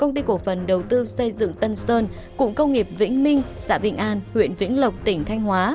công ty cổ phần đầu tư xây dựng tân sơn cụng công nghiệp vĩnh minh xã vĩnh an huyện vĩnh lộc tỉnh thanh hóa